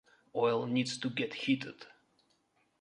Oil needs to get heated.